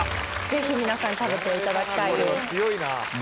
是非皆さんに食べていただきたいです